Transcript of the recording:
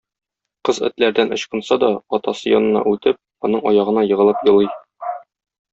Кыз этләрдән ычкына да, атасы янына үтеп, аның аягына егылып елый.